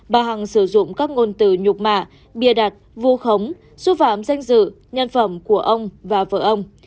bà hằng sử dụng các ngôn từ nhục mạ bia đặt vu khống xúc phạm danh dự nhân phẩm của ông và vợ ông